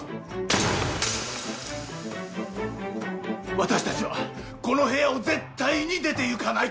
私たちはこの部屋を絶対に出ていかない！